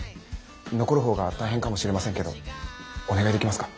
残るほうが大変かもしれませんけどお願いできますか？